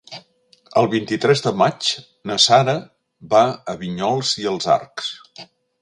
El vint-i-tres de maig na Sara va a Vinyols i els Arcs.